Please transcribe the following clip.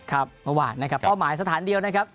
ครับมาหว่านะครับป้อหมายสถานเดียวนะครับ